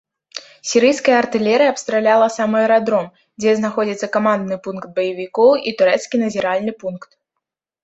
Сірыйская артылерыя абстраляла сам аэрадром, дзе знаходзіцца камандны пункт баевікоў і турэцкі назіральны пункт.